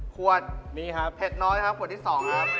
ขวดเผ็ดน้อยครับขวดที่๒ครับ